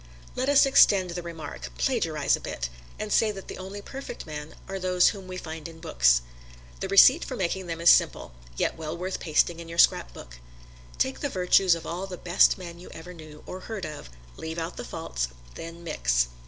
Let us extend the remark plagiarize a bit and say that the only perfect men are those whom we find in books. The receipt for making them is simple, yet well worth pasting in your scrapbook. Take the virtues of all the best men you ever knew or heard of, leave out the faults, then mix.